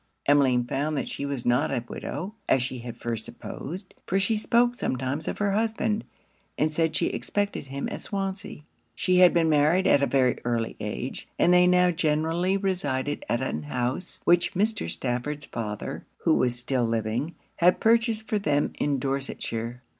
Emmeline found that she was not a widow, as she had at first supposed; for she spoke sometimes of her husband, and said she expected him at Swansea. She had been married at a very early age; and they now generally resided at an house which Mr. Stafford's father, who was still living, had purchased for them in Dorsetshire.